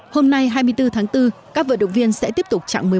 hôm nay hai mươi bốn tháng bốn các vận động viên sẽ tiếp tục trạng một mươi một